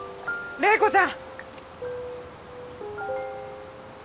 怜子ちゃん。